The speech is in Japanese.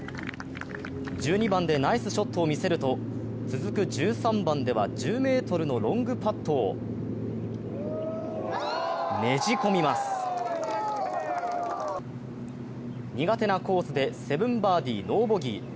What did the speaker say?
１２番でナイスショットを見せると、続く１３番では１０ｍのロングパットをねじ込みます苦手なコースで、７バーディー・ノーボギー。